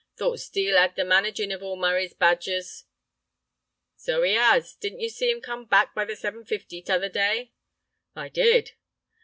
"Thought Steel 'ad the managin' of all Murray's badgers." "So 'e 'as. Didn't yer see 'im come back by the 7.50 t'other day?" "I did."